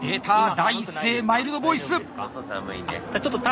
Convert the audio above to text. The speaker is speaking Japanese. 第一声マイルドボイス！